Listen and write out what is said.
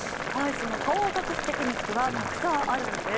その顔を隠すテクニックはたくさんあるんです。